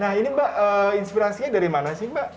nah ini mbak inspirasinya dari mana sih mbak